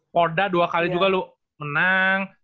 porda dua kali juga lu menang